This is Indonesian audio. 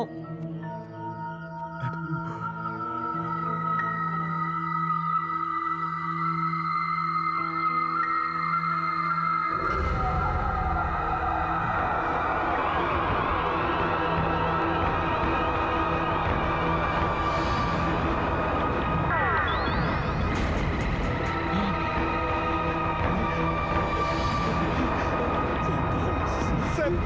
jangan won jangan